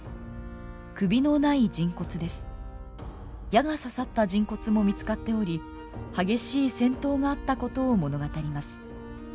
矢が刺さった人骨も見つかっており激しい戦闘があったことを物語ります。